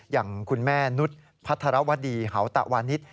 อย่างคุณแม่นุษย์พัทรวดีเห่าตะวานิส